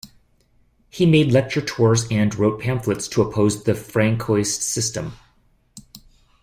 He made lecture tours and wrote pamphlets to oppose the Francoist system.